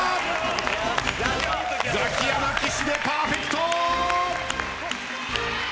ザキヤマ岸でパーフェクト！